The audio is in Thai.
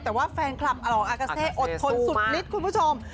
แต่ว่าแฟนคลับอล่ออากาเซ่อดทนสุดฤทธิ์คุณผู้ชม